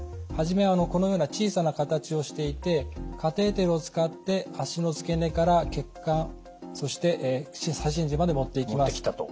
初めはこのような小さな形をしていてカテーテルを使って脚の付け根から血管そして左心耳まで持っていきます。